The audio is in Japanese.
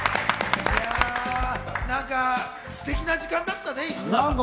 何かステキな時間だったね。